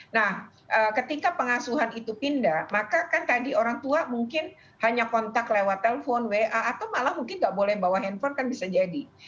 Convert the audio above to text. nah ketika pengasuhan itu pindah maka kan tadi orang tua mungkin hanya kontak lewat telepon wa atau malah mungkin nggak boleh bawa handphone kan bisa jadi